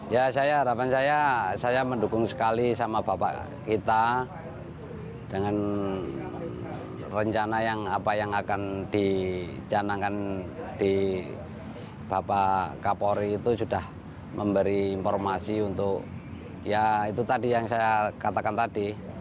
ya saya harapan saya saya mendukung sekali sama bapak kita dengan rencana yang apa yang akan dicanangkan di bapak kapolri itu sudah memberi informasi untuk ya itu tadi yang saya katakan tadi